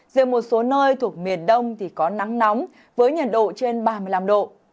giữa một số nơi thuộc miền đông có nắng nóng với nhiệt độ trên ba mươi năm độ